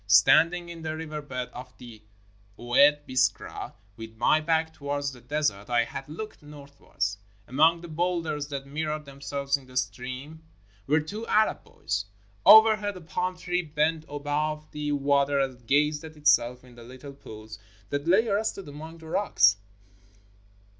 Standing in the river bed of the Oued Biskra with my back towards the des ert I had looked northwards. Among the boulders that mirrored themselves in the stream were two Arab boys. Overhead, a palm tree bent above the water and gazed at itself in the little pools that lay arrested among the rocks.